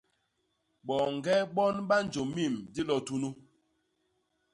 Boñge bon ba njô mim dilo tunu.